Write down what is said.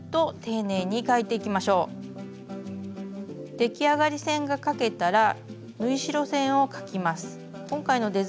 出来上がり線が描けたら縫い代線を描きます。